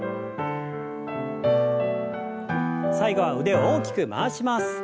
最後は腕を大きく回します。